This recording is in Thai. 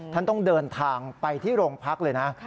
ท่านต้องเดินทางไปที่โรงพักเลยนะ